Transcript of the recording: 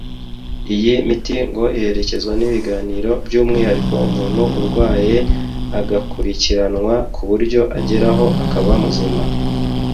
Iyi miti ngo iherekezwa n’ibiganiro by’umwihariko umuntu urwaye agakurikiranwa ku buryo ageraho akaba muzima